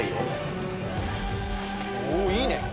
おおいいね。